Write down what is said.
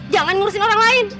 jangan ngurusin orang lain